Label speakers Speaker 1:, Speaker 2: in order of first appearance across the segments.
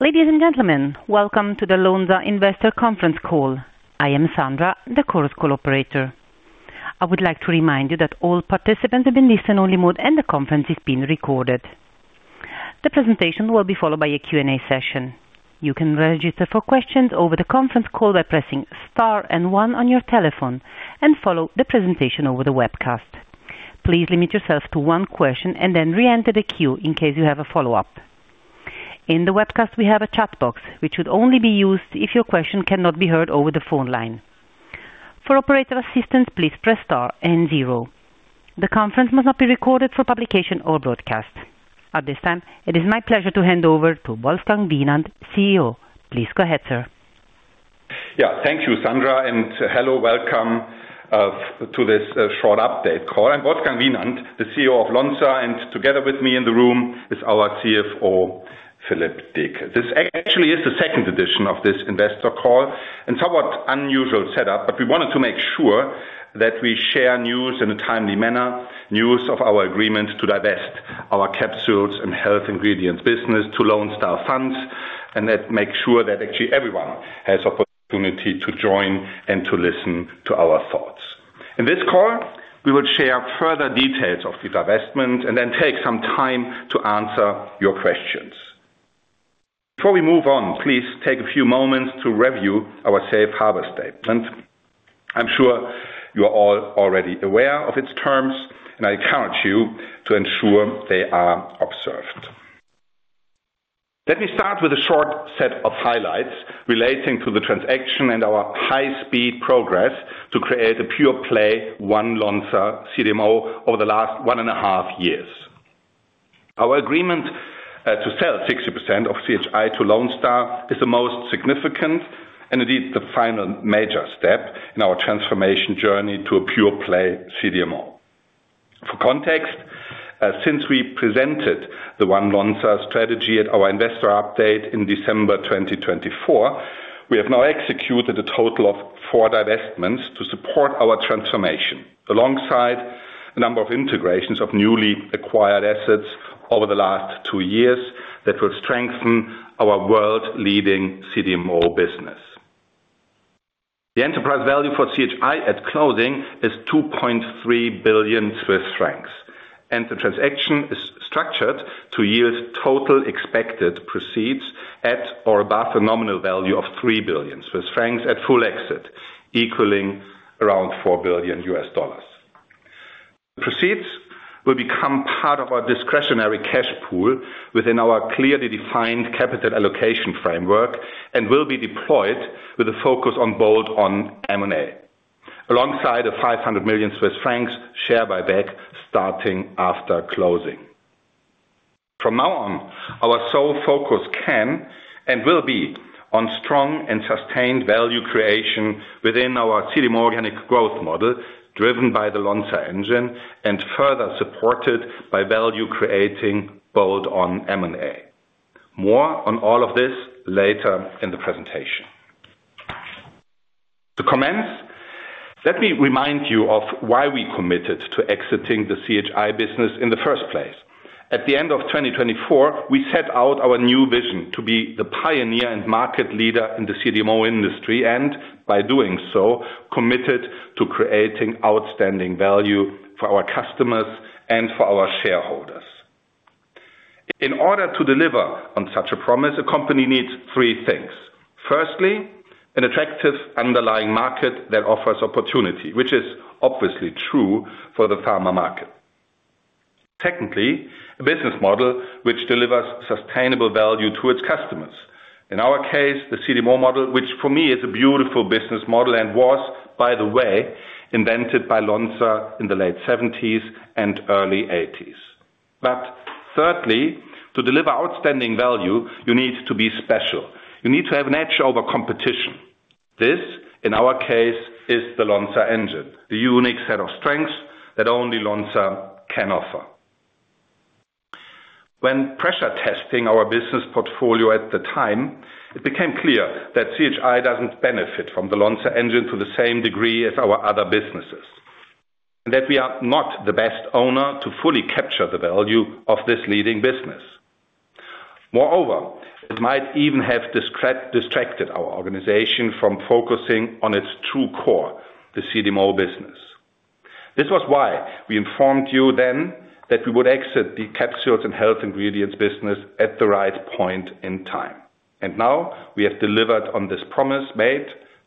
Speaker 1: Ladies and gentlemen, welcome to the Lonza investor conference call. I am Sandra, the Chorus Call operator. I would like to remind you that all participants have been listen-only mode and the conference is being recorded. The presentation will be followed by a Q&A session. You can register for questions over the conference call by pressing star and one on your telephone and follow the presentation over the webcast. Please limit yourself to one question and then re-enter the queue in case you have a follow-up. In the webcast, we have a chat box, which would only be used if your question cannot be heard over the phone line. For operator assistance, please press Star and zero. The conference must not be recorded for publication or broadcast. At this time, it is my pleasure to hand over to Wolfgang Wienand, CEO. Please go ahead, sir.
Speaker 2: Yeah, thank you, Sandra, and hello. Welcome to this short update call. I'm Wolfgang Wienand, the CEO of Lonza, and together with me in the room is our CFO, Philippe Deecke. This actually is the second edition of this investor call and somewhat unusual setup, but we wanted to make sure that we share news in a timely manner. News of our agreement to divest our Capsules & Health Ingredients business to Lone Star Funds, and that make sure that actually everyone has opportunity to join and to listen to our thoughts. In this call, we will share further details of the divestment and then take some time to answer your questions. Before we move on, please take a few moments to review our safe harbor statement. I'm sure you are all already aware of its terms, and I encourage you to ensure they are observed. Let me start with a short set of highlights relating to the transaction and our high-speed progress to create a pure play, One Lonza CDMO over the last 1.5 years. Our agreement to sell 60% of CHI to Lone Star is the most significant, and indeed, the final major step in our transformation journey to a pure play CDMO. For context, since we presented the One Lonza strategy at our investor update in December 2024, we have now executed a total of four divestments to support our transformation. Alongside a number of integrations of newly acquired assets over the last two years that will strengthen our world-leading CDMO business. The enterprise value for CHI at closing is 2.3 billion Swiss francs. The transaction is structured to yield total expected proceeds at or above the nominal value of 3 billion Swiss francs at full exit, equaling around $4 billion. Proceeds will become part of our discretionary cash pool within our clearly defined capital allocation framework and will be deployed with a focus on bolt-on M&A. Alongside a 500 million Swiss francs share buyback starting after closing. From now on, our sole focus can and will be on strong and sustained value creation within our CDMO organic growth model, driven by the Lonza Engine, and further supported by value creating bolt-on M&A. More on all of this later in the presentation. To commence, let me remind you of why we committed to exiting the CHI business in the first place. At the end of 2024, we set out our new vision to be the pioneer and market leader in the CDMO industry, and by doing so, committed to creating outstanding value for our customers and for our shareholders. In order to deliver on such a promise, a company needs three things. Firstly, an attractive underlying market that offers opportunity, which is obviously true for the pharma market. Technically, a business model which delivers sustainable value to its customers. In our case, the CDMO model, which for me is a beautiful business model and was, by the way, invented by Lonza in the late 70s and early 80s. Thirdly, to deliver outstanding value, you need to be special. You need to have an edge over competition. This, in our case, is the Lonza Engine, the unique set of strengths that only Lonza can offer. When pressure testing our business portfolio at the time, it became clear that CHI doesn't benefit from the Lonza Engine to the same degree as our other businesses. That we are not the best owner to fully capture the value of this leading business. Moreover, it might even have distracted our organization from focusing on its true core, the CDMO business. This was why we informed you then that we would exit the Capsules & Health Ingredients business at the right point in time. Now we have delivered on this promise made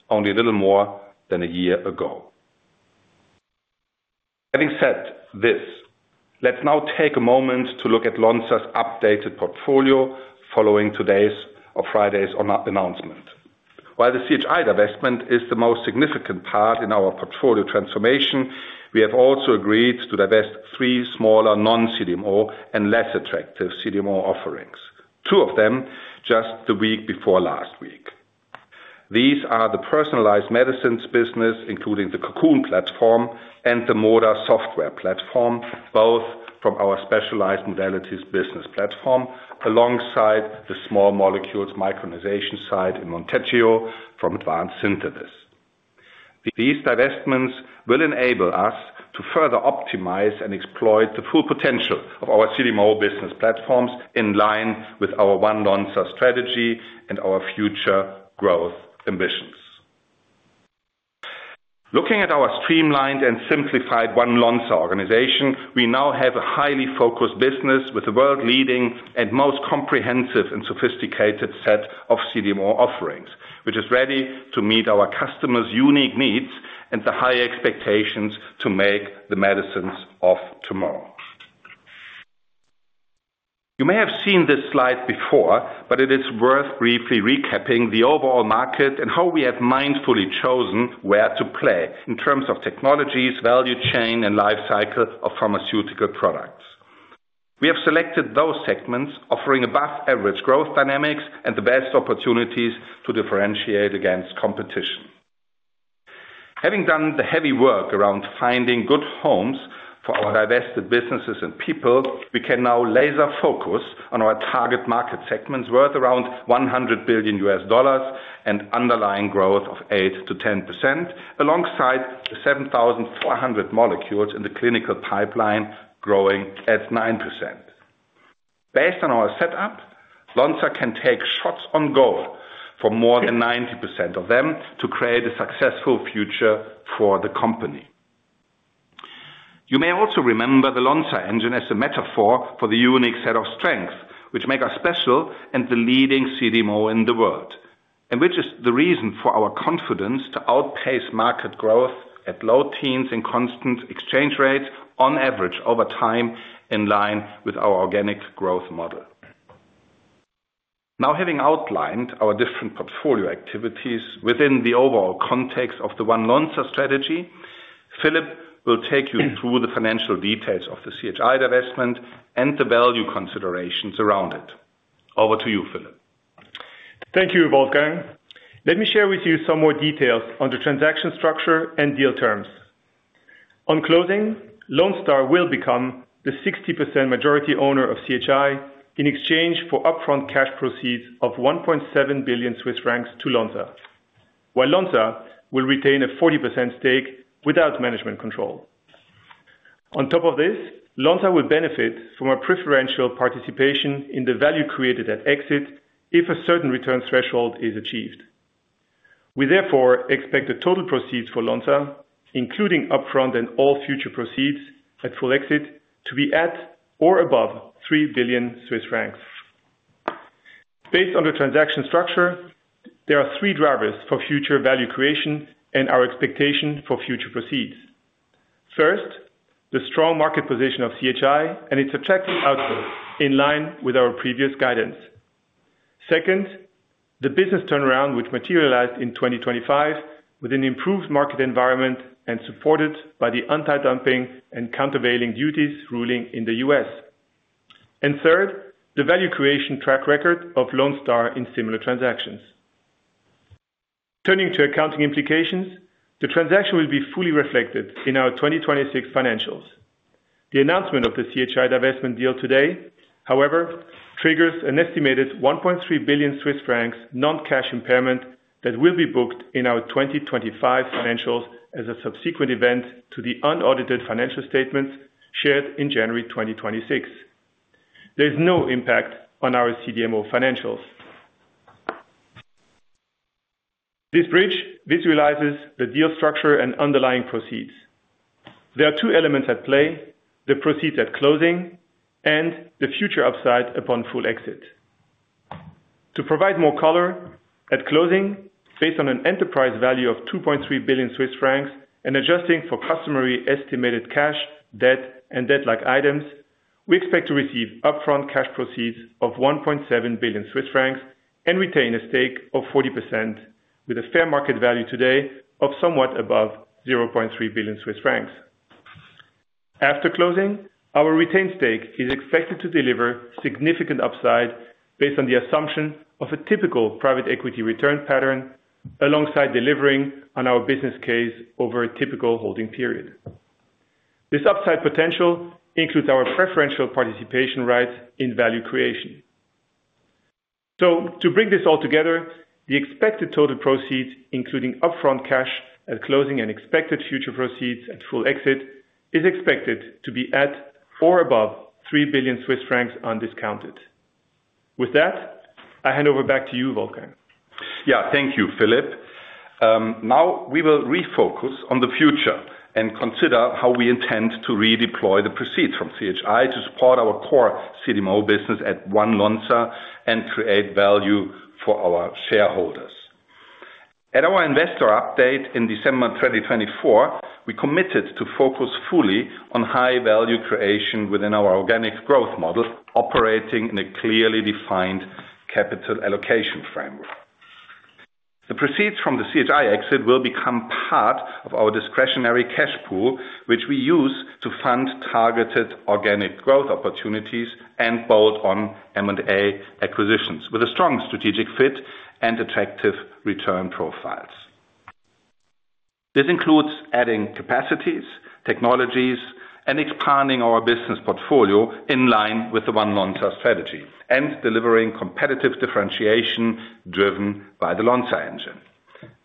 Speaker 2: only a little more than one year ago. Having said this, let's now take a moment to look at Lonza's updated portfolio following today's or Friday's announcement. While the CHI divestment is the most significant part in our portfolio transformation, we have also agreed to divest three smaller non-CDMO and less attractive CDMO offerings, two of them just the week before last week. These are the Personalized Medicines business, including the Cocoon Platform and the MODA software Platform, both from our Specialized Modalities business platform, alongside the small molecules micronization site in Monteggio from Advanced Synthesis. These divestments will enable us to further optimize and exploit the full potential of our CDMO business platforms in line with our One Lonza strategy and our future growth ambitions. Looking at our streamlined and simplified One Lonza organization, we now have a highly focused business with the world-leading and most comprehensive and sophisticated set of CDMO offerings, which is ready to meet our customers' unique needs and the high expectations to make the medicines of tomorrow. You may have seen this slide before, It is worth briefly recapping the overall market and how we have mindfully chosen where to play in terms of technologies, value chain, and life cycle of pharmaceutical products. We have selected those segments offering above average growth dynamics and the best opportunities to differentiate against competition. Having done the heavy work around finding good homes for our divested businesses and people, we can now laser focus on our target market segments worth around $100 billion and underlying growth of 8%-10% alongside the 7,400 molecules in the clinical pipeline growing at 9%. Based on our setup, Lonza can take shots on goal for more than 90% of them to create a successful future for the company. You may also remember the Lonza Engine as a metaphor for the unique set of strengths which make us special and the leading CDMO in the world, and which is the reason for our confidence to outpace market growth at low teens in constant exchange rates on average over time in line with our organic growth model. Now, having outlined our different portfolio activities within the overall context of the One Lonza strategy, Philippe will take you through the financial details of the CHI divestment and the value considerations around it. Over to you, Philippe.
Speaker 3: Thank you, Wolfgang. Let me share with you some more details on the transaction structure and deal terms. On closing, Lone Star will become the 60% majority owner of CHI in exchange for upfront cash proceeds of 1.7 billion Swiss francs to Lonza, while Lonza will retain a 40% stake without management control. On top of this, Lonza will benefit from a preferential participation in the value created at exit if a certain return threshold is achieved. We therefore expect the total proceeds for Lonza, including upfront and all future proceeds at full exit, to be at or above 3 billion Swiss francs. Based on the transaction structure, there are three drivers for future value creation and our expectation for future proceeds. First, the strong market position of CHI and its attractive outlook in line with our previous guidance. Second, the business turnaround which materialized in 2025 with an improved market environment and supported by the anti-dumping and countervailing duties ruling in the U.S. Third, the value creation track record of Lone Star in similar transactions. Turning to accounting implications, the transaction will be fully reflected in our 2026 financials. The announcement of the CHI divestment deal today, however, triggers an estimated 1.3 billion Swiss francs non-cash impairment that will be booked in our 2025 financials as a subsequent event to the unaudited financial statements shared in January 2026. There's no impact on our CDMO financials. This bridge visualizes the deal structure and underlying proceeds. There are two elements at play, the proceeds at closing and the future upside upon full exit. To provide more color, at closing, based on an enterprise value of 2.3 billion Swiss francs and adjusting for customary estimated cash, debt, and debt-like items, we expect to receive upfront cash proceeds of 1.7 billion Swiss francs and retain a stake of 40% with a fair market value today of somewhat above 0.3 billion Swiss francs. After closing, our retained stake is expected to deliver significant upside based on the assumption of a typical private equity return pattern alongside delivering on our business case over a typical holding period. This upside potential includes our preferential participation rights in value creation. To bring this all together, the expected total proceeds, including upfront cash at closing and expected future proceeds at full exit, is expected to be at or above 3 billion Swiss francs undiscounted. With that, I hand over back to you, Wolfgang.
Speaker 2: Yeah. Thank you, Philippe. Now we will refocus on the future and consider how we intend to redeploy the proceeds from CHI to support our core CDMO business at One Lonza and create value for our shareholders. At our investor update in December 2024, we committed to focus fully on high value creation within our organic growth model, operating in a clearly defined capital allocation framework. The proceeds from the CHI exit will become part of our discretionary cash pool, which we use to fund targeted organic growth opportunities and bolt-on M&A acquisitions with a strong strategic fit and attractive return profiles. This includes adding capacities, technologies, and expanding our business portfolio in line with the One Lonza strategy and delivering competitive differentiation driven by the Lonza Engine.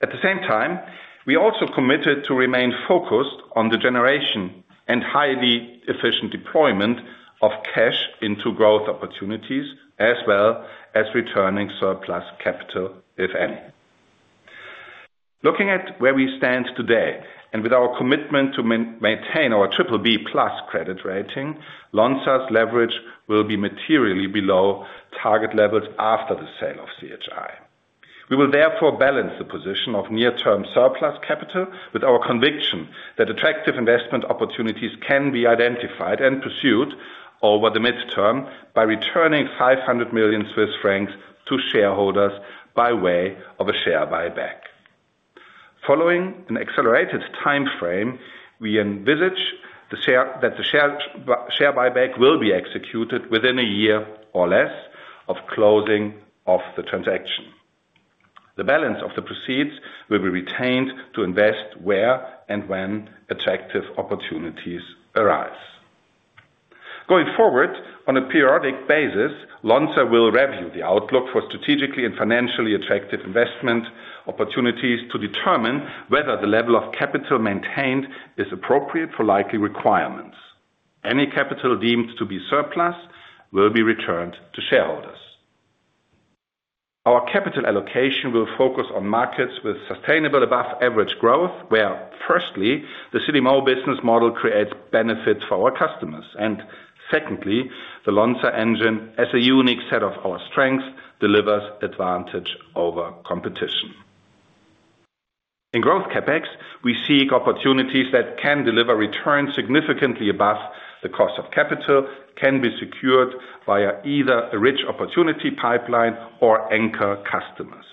Speaker 2: At the same time, we also committed to remain focused on the generation and highly efficient deployment of cash into growth opportunities as well as returning surplus capital if any. Looking at where we stand today and with our commitment to maintain our BBB+ credit rating, Lonza's leverage will be materially below target levels after the sale of CHI. We will therefore balance the position of near-term surplus capital with our conviction that attractive investment opportunities can be identified and pursued over the midterm by returning 500 million Swiss francs to shareholders by way of a share buyback. Following an accelerated timeframe, we envisage that the share buyback will be executed within a year or less of closing of the transaction. The balance of the proceeds will be retained to invest where and when attractive opportunities arise. Going forward, on a periodic basis, Lonza will review the outlook for strategically and financially attractive investment opportunities to determine whether the level of capital maintained is appropriate for likely requirements. Any capital deemed to be surplus will be returned to shareholders. Our capital allocation will focus on markets with sustainable above-average growth where, firstly, the CDMO business model creates benefits for our customers and secondly, the Lonza Engine as a unique set of our strengths delivers advantage over competition. In growth CapEx, we seek opportunities that can deliver returns significantly above the cost of capital, can be secured via either a rich opportunity pipeline or anchor customers.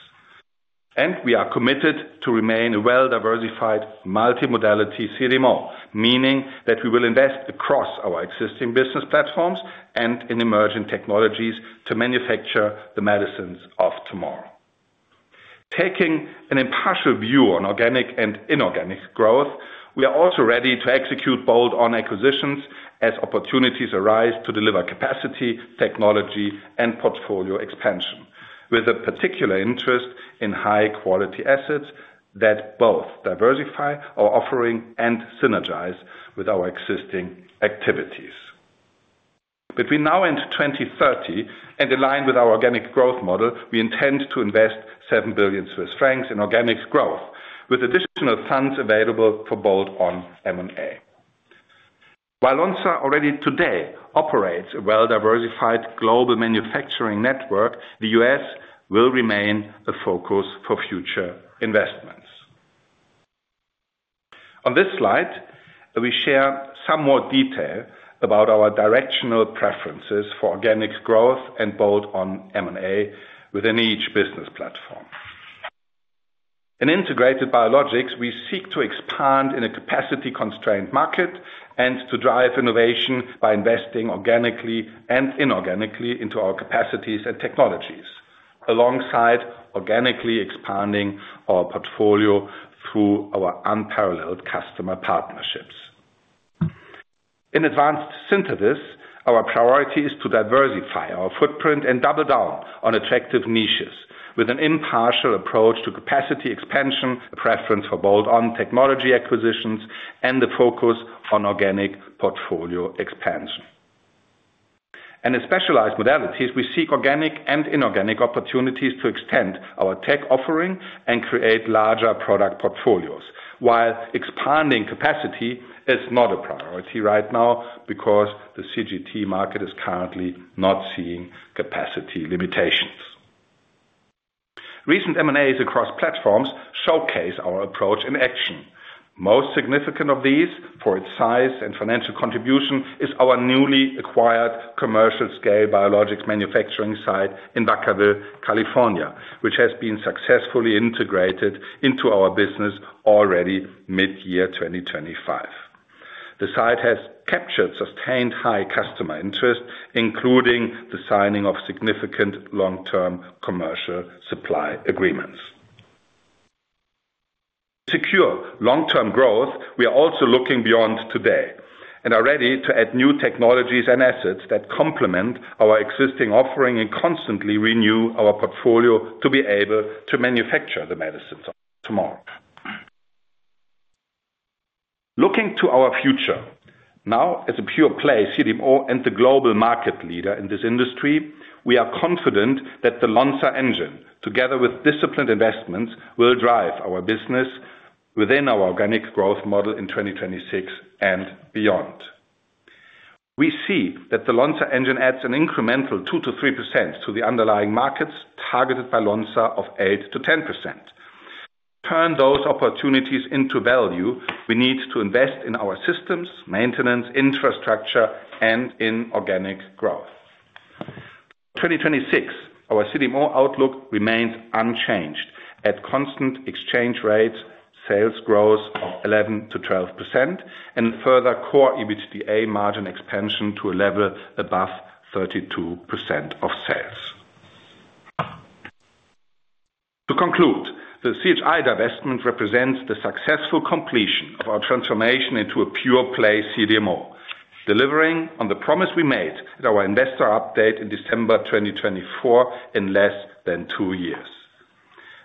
Speaker 2: We are committed to remain a well-diversified multimodality CDMO, meaning that we will invest across our existing business platforms and in emerging technologies to manufacture the medicines of tomorrow. Taking an impartial view on organic and inorganic growth, we are also ready to execute bolt-on acquisitions as opportunities arise to deliver capacity, technology, and portfolio expansion with a particular interest in high-quality assets that both diversify our offering and synergize with our existing activities. Between now and 2030 and aligned with our organic growth model, we intend to invest 7 billion Swiss francs in organics growth with additional funds available for bolt-on M&A. While Lonza already today operates a well-diversified global manufacturing network, the U.S. will remain the focus for future investments. On this slide, we share some more detail about our directional preferences for organics growth and bolt-on M&A within each business platform. In Integrated Biologics, we seek to expand in a capacity-constrained market and to drive innovation by investing organically and inorganically into our capacities and technologies alongside organically expanding our portfolio through our unparalleled customer partnerships. In Advanced Synthesis, our priority is to diversify our footprint and double down on attractive niches with an impartial approach to capacity expansion, a preference for bolt-on technology acquisitions, and the focus on organic portfolio expansion. In Specialized Modalities, we seek organic and inorganic opportunities to extend our tech offering and create larger product portfolios while expanding capacity is not a priority right now because the CGT market is currently not seeing capacity limitations. Recent M&As across platforms showcase our approach in action. Most significant of these, for its size and financial contribution, is our newly acquired commercial-scale biologics manufacturing site in Vacaville, California, which has been successfully integrated into our business already mid-year 2025. The site has captured sustained high customer interest, including the signing of significant long-term commercial supply agreements. To secure long-term growth, we are also looking beyond today and are ready to add new technologies and assets that complement our existing offering and constantly renew our portfolio to be able to manufacture the medicines of tomorrow. Looking to our future, now as a pure-play CDMO and the global market leader in this industry, we are confident that the Lonza Engine, together with disciplined investments, will drive our business within our organic growth model in 2026 and beyond. We see that the Lonza Engine adds an incremental 2%-3% to the underlying markets targeted by Lonza of 8%-10%. To turn those opportunities into value, we need to invest in our systems, maintenance, infrastructure, and in organic growth. In 2026, our CDMO outlook remains unchanged. At constant exchange rates, sales growth of 11%-12% and further CORE EBITDA margin expansion to a level above 32% of sales. To conclude, the CHI divestment represents the successful completion of our transformation into a pure play CDMO, delivering on the promise we made at our investor update in December 2024 in less than two years.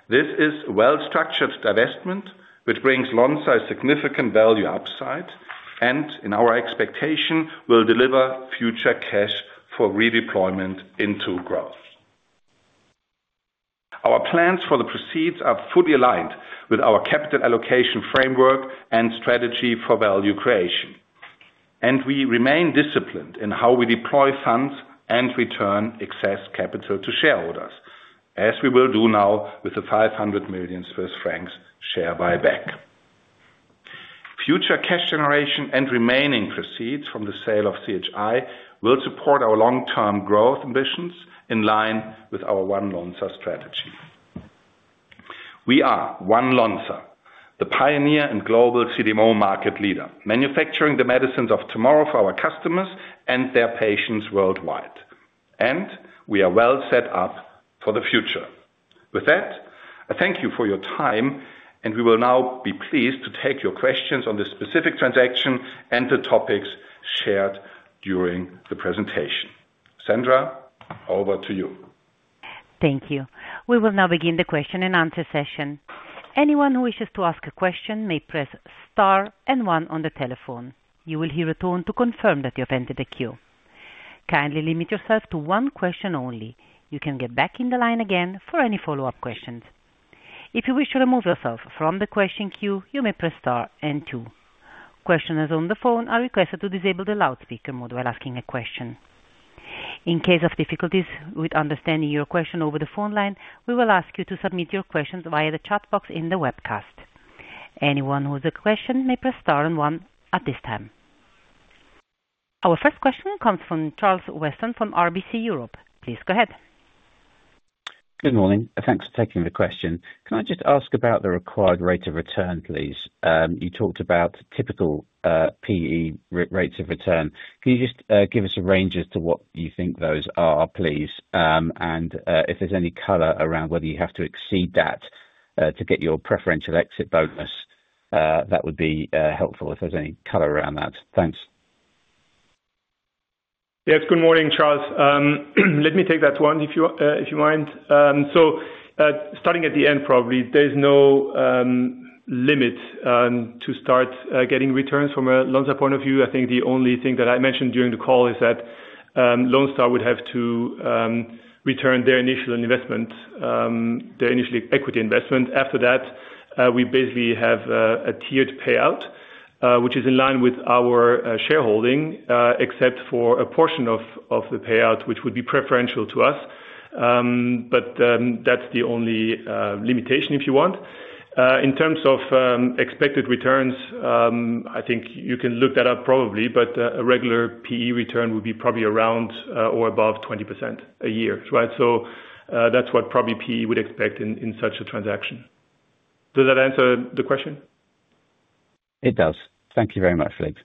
Speaker 2: This is a well-structured divestment which brings Lonza significant value upside, and in our expectation will deliver future cash for redeployment into growth. Our plans for the proceeds are fully aligned with our capital allocation framework and strategy for value creation, and we remain disciplined in how we deploy funds and return excess capital to shareholders, as we will do now with the 500 million Swiss francs share buyback. Future cash generation and remaining proceeds from the sale of CHI will support our long-term growth ambitions in line with our One Lonza strategy. We are One Lonza, the pioneer and global CDMO market leader, manufacturing the medicines of tomorrow for our customers and their patients worldwide, and we are well set up for the future. With that, I thank you for your time, and we will now be pleased to take your questions on this specific transaction and the topics shared during the presentation. Sandra, over to you.
Speaker 1: Thank you. We will now begin the question and answer session. Anyone who wishes to ask a question may press star and one on the telephone. You will hear a tone to confirm that you have entered the queue. Kindly limit yourself to one question only. You can get back in the line again for any follow-up questions. If you wish to remove yourself from the question queue, you may press star and two. Questioners on the phone are requested to disable the loudspeaker mode while asking a question. In case of difficulties with understanding your question over the phone line, we will ask you to submit your questions via the chat box in the webcast. Anyone with a question may press star and one at this time. Our first question comes from Charles Weston from RBC Europe. Please go ahead.
Speaker 4: Good morning. Thanks for taking the question. Can I just ask about the required rate of return, please? You talked about typical PE rates of return. Can you just give us a range as to what you think those are, please? If there's any color around whether you have to exceed that to get your preferential exit bonus, that would be helpful if there's any color around that. Thanks.
Speaker 2: Yes, good morning, Charles. Let me take that one if you mind. Starting at the end probably, there's no limit to start getting returns from a Lonza point of view. I think the only thing that I mentioned during the call is that Lonza would have to return their initial investment, their initial equity investment. After that, we basically have a tiered payout, which is in line with our shareholding, except for a portion of the payout, which would be preferential to us. That's the only limitation if you want. In terms of expected returns, I think you can look that up probably, but a regular PE return would be probably around or above 20% a year, right? That's what probably PE would expect in such a transaction. Does that answer the question?
Speaker 4: It does. Thank you very much, Wolfgang.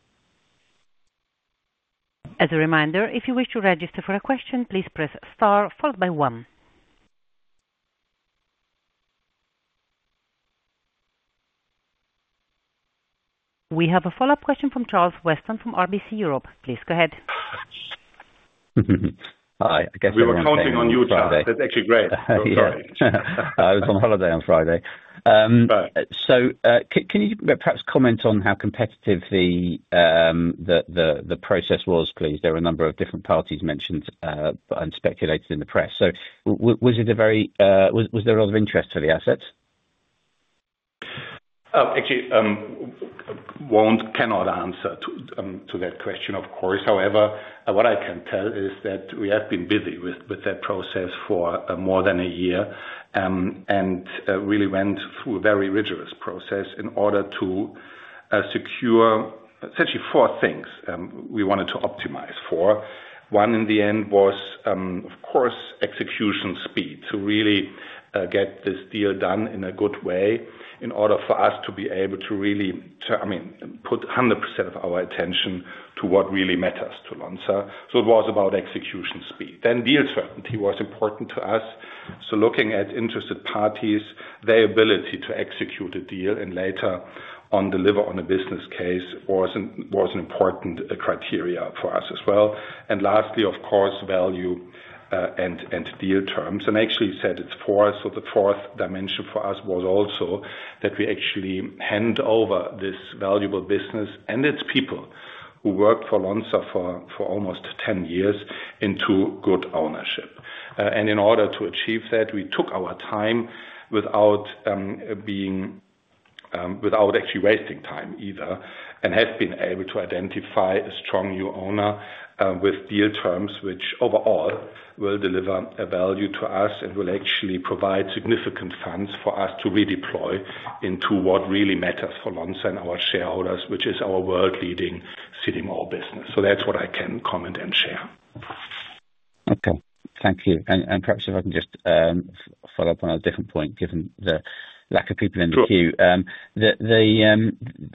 Speaker 1: As a reminder, if you wish to register for a question, please press star followed by one. We have a follow-up question from Charles Weston from RBC Europe. Please go ahead.
Speaker 4: Hi.
Speaker 2: We were counting on you, Charles. That's actually great. Yeah. Sorry.
Speaker 4: I was on holiday on Friday. Can you perhaps comment on how competitive the process was, please? There were a number of different parties mentioned and speculated in the press. Was there a lot of interest to the assets?
Speaker 2: Actually, won't, cannot answer to that question, of course. What I can tell is that we have been busy with that process for more than a year, and really went through a very rigorous process in order to secure essentially four things we wanted to optimize for. One in the end was, of course, execution speed, to really, to, I mean, put 100% of our attention to what really matters to Lonza. It was about execution speed. Deal certainty was important to us. Looking at interested parties, their ability to execute a deal and later on deliver on a business case was an important criteria for us as well. Lastly, of course, value, and deal terms. I actually said it's fourth, the fourth dimension for us was also that we actually hand over this valuable business and its people who worked for Lonza for almost 10 years into good ownership. In order to achieve that, we took our time without being without actually wasting time either, and have been able to identify a strong new owner with deal terms which overall will deliver a value to us and will actually provide significant funds for us to redeploy into what really matters for Lonza and our shareholders, which is our world-leading CDMO business. That's what I can comment and share.
Speaker 4: Okay. Thank you. Perhaps if I can just follow up on a different point, given the lack of people in the queue.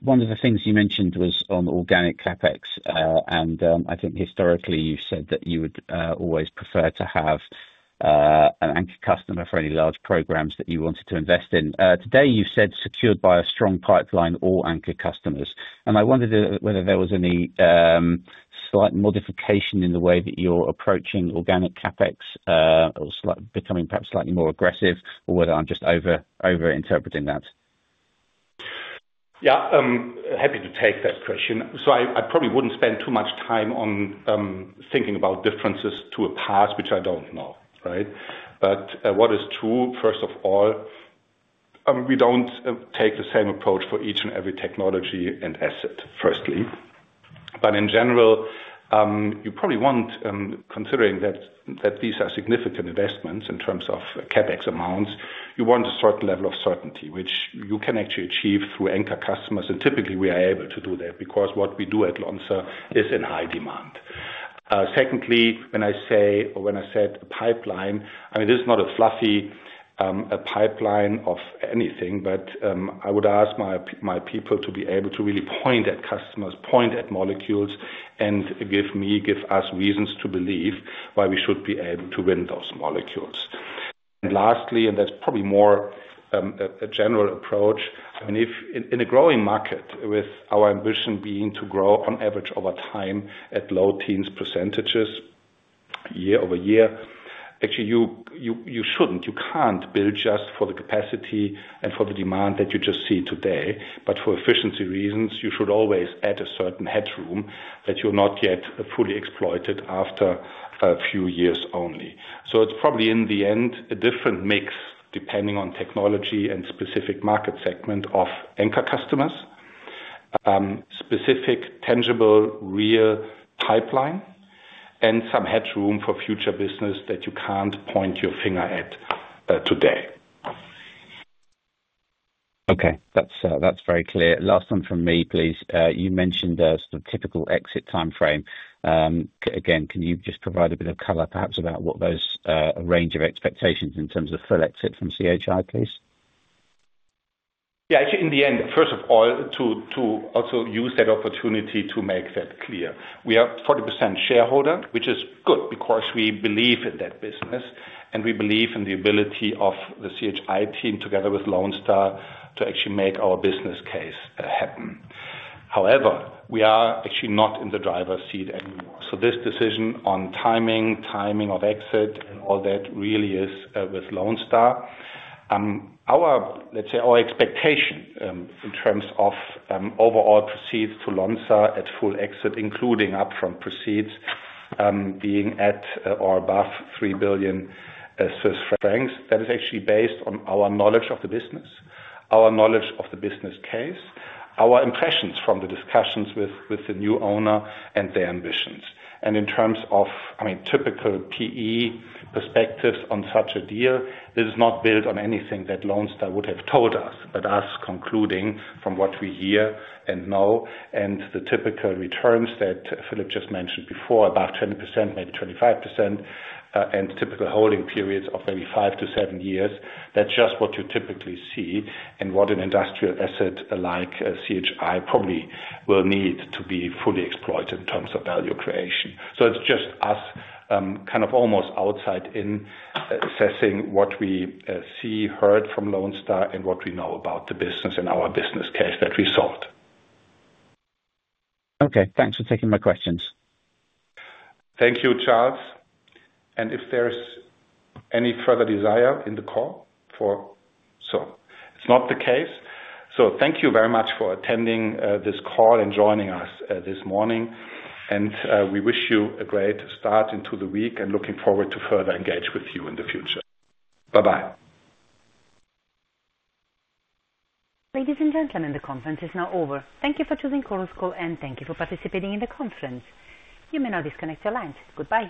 Speaker 4: One of the things you mentioned was on organic CapEx, and I think historically you've said that you would always prefer to have an anchor customer for any large programs that you wanted to invest in. Today you said secured by a strong pipeline or anchor customers. I wondered whether there was any slight modification in the way that you're approaching organic CapEx, or becoming perhaps slightly more aggressive, or whether I'm just over-interpreting that.
Speaker 2: Happy to take that question. I probably wouldn't spend too much time on thinking about differences to a path which I don't know. Right? What is true, first of all, we don't take the same approach for each and every technology and asset, firstly. In general, you probably want, considering that these are significant investments in terms of CapEx amounts, you want a certain level of certainty, which you can actually achieve through anchor customers. Typically, we are able to do that because what we do at Lonza is in high demand. Secondly, when I say or when I said pipeline, I mean, this is not a fluffy pipeline of anything, but I would ask my people to be able to really point at customers, point at molecules, and give me, give us reasons to believe why we should be able to win those molecules. Lastly, and that's probably more a general approach. I mean, if in a growing market, with our ambition being to grow on average over time at low teens percentages year-over-year, actually, you shouldn't, you can't build just for the capacity and for the demand that you just see today. For efficiency reasons, you should always add a certain headroom that you're not yet fully exploited after a few years only. It's probably in the end, a different mix depending on technology and specific market segment of anchor customers. Specific, tangible, real pipeline and some headroom for future business that you can't point your finger at, today.
Speaker 4: Okay. That's very clear. Last one from me, please. You mentioned some typical exit timeframe. Again, can you just provide a bit of color perhaps about what those range of expectations in terms of full exit from CHI, please?
Speaker 2: Actually, in the end, first of all, to also use that opportunity to make that clear, we are 40% shareholder, which is good because we believe in that business, and we believe in the ability of the CHI team together with Lone Star, to actually make our business case happen. However, we are actually not in the driver's seat anymore. This decision on timing of exit and all that really is with Lone Star. Our, let's say, our expectation in terms of overall proceeds to Lonza at full exit, including upfront proceeds, being at or above 3 billion Swiss francs. That is actually based on our knowledge of the business, our knowledge of the business case, our impressions from the discussions with the new owner and their ambitions. In terms of, I mean, typical PE perspectives on such a deal, this is not built on anything that Lone Star would have told us, but us concluding from what we hear and know and the typical returns that Philippe just mentioned before, about 10%, maybe 25%, and typical holding periods of maybe five to seven years. That's just what you typically see and what an industrial asset like CHI probably will need to be fully exploited in terms of value creation. It's just us, kind of almost outside in assessing what we see, heard from Lone Star and what we know about the business and our business case that we sold.
Speaker 4: Okay. Thanks for taking my questions.
Speaker 2: Thank you, Charles. If there's any further desire in the call for... It's not the case. Thank you very much for attending this call and joining us this morning. We wish you a great start into the week and looking forward to further engage with you in the future. Bye-bye.
Speaker 1: Ladies and gentlemen, the conference is now over. Thank you for choosing Chorus Call, and thank you for participating in the conference. You may now disconnect your lines. Goodbye.